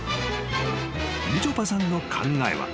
［みちょぱさんの考えは］